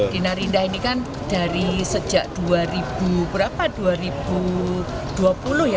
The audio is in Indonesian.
di narinda ini kan dari sejak dua ribu dua puluh ya